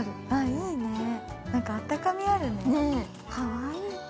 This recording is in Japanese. いいね、なんかあったかみがあるね、かわいい。